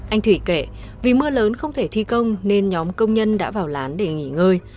anh thủy kệ vì mưa lớn không thể thi công nên nhóm công nhân đã vào lán để nghỉ ngơi